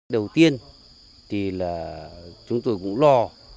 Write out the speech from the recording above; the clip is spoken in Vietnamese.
đầu tiên thì là chúng tôi cũng lo